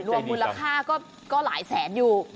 รวมมูลค่าก็หลายแสนอยู่